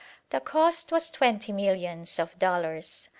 The cost was twenty millions of dollars.